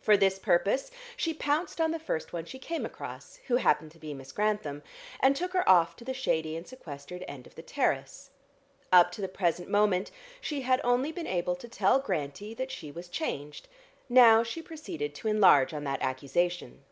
For this purpose she pounced on the first one she came across, who happened to be Miss Grantham, and took her off to the shady and sequestered end of the terrace. Up to the present moment she had only been able to tell Grantie that she was changed; now she proceeded to enlarge on that accusation.